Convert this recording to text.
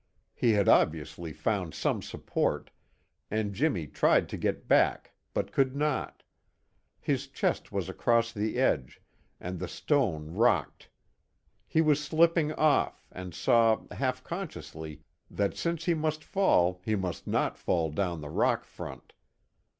He had obviously found some support, and Jimmy tried to get back, but could not. His chest was across the edge, and the stone rocked. He was slipping off, and saw, half consciously, that since he must fall, he must not fall down the rock front.